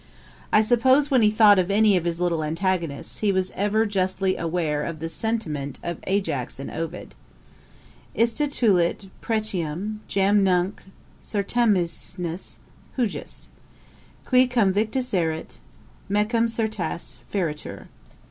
I suppose when he thought of any of his little antagonists, he was ever justly aware of the high sentiment of Ajax in Ovid: 'Iste tulit pretium jam nunc certaminis hujus, Qui, cùm victus erit, mecum certasse feretur.'